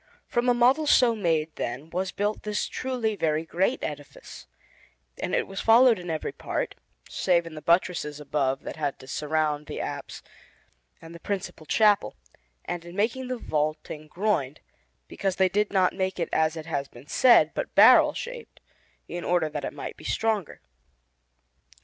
From a model so made, then, was built this truly very great edifice, and it was followed in every part, save in the buttresses above that had to surround the apse and the principal chapel, and in making the vaulting groined, because they did not make it as has been said, but barrel shaped, in order that it might be stronger.